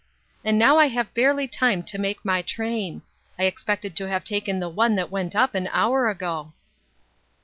And now I have barely time to make my train ; I expected to have taken the one that went up an hour ago."